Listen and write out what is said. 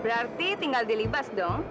berarti tinggal dia libas dong